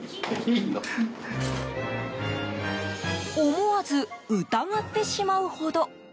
思わず、疑ってしまうほど。